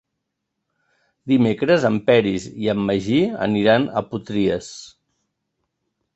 Dimecres en Peris i en Magí aniran a Potries.